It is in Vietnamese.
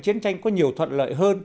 chiến tranh có nhiều thuận lợi hơn